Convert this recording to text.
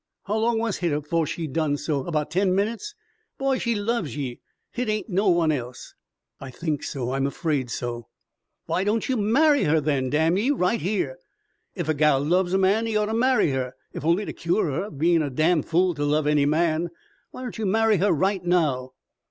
How long was hit afore she done so about ten minutes? Boy, she loves ye. Hit ain't no one else." "I think so. I'm afraid so." "Why don't ye marry her then, damn ye, right here? Ef a gal loves a man he orto marry her, ef only to cure her o' bein' a damn fool to love any man. Why don't you marry her right now?"